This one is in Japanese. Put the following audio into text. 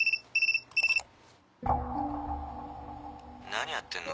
「何やってんの？